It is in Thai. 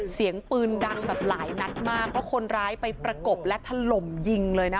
เสียงปืนดังแบบหลายนัดมากเพราะคนร้ายไปประกบและถล่มยิงเลยนะคะ